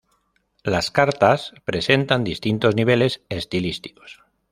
Las "Cartas" presentan distintos niveles estilísticos.